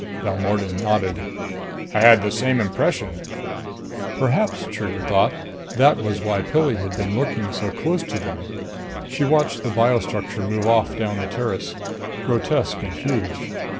Balmordan nodded. "I had the same impression." Perhaps, Trigger thought, that was why Pilli had been lurking so close to them. She watched the biostructure move off down the terrace, grotesque and huge.